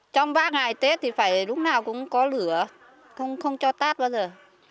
trong ba ngày tết thì phải lúc nào cũng có lửa không cho tát bao giờ